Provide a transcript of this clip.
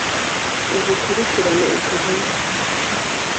igukurikirane iguhame,